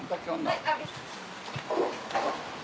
はい。